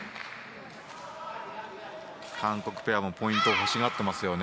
韓国ペアもポイント欲しがっていますよね。